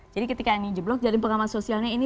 jadi ketika ini jeblok jaring pengaman sosialnya ini